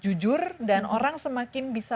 jujur dan orang semakin bisa